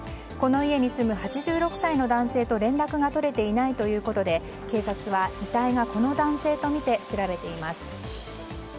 この家に住む８６歳の男性と連絡が取れていないということで警察は、遺体がこの男性とみて調べています。